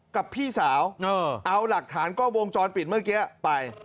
กับพี่สาวเอาหลักฐานกล้องวงจรปิดเมื่อกี้ไป